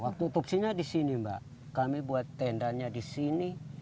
waktu otopsinya di sini mbak kami buat tendanya di sini